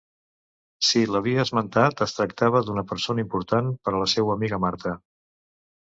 Si l'havia esmentat, es tractava d'una persona important per a la seua amiga Marta.